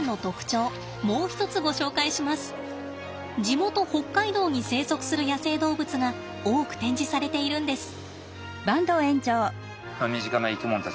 地元北海道に生息する野生動物が多く展示されているんです。